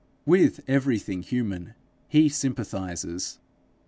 With everything human he sympathizes.